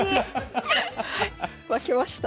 負けました。